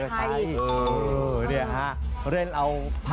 กำลังน้าโมตัสตร์แต่อยู่ก็มีจังหวะโจ๊ะลืมเข้ามา